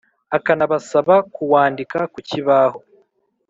akanabasaba kuwandika ku kibaho.